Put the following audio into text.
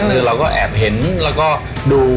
คือเราก็แอบเห็นแล้วก็ดู